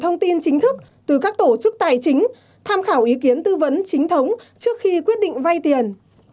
thông tin chính thức từ các tổ chức tài chính tham khảo ý kiến tư vấn chính thống trước khi quyết định vay tiền